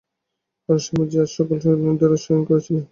কারণ স্বামীজী আজ সকাল-সকাল নিদ্রা যাইবার জন্য শয়ন করিয়াছিলেন।